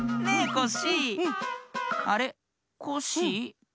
コッシー？